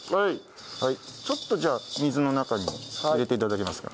ちょっとじゃあ水の中に入れて頂けますか？